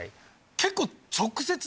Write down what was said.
結構。